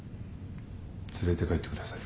連れて帰ってください。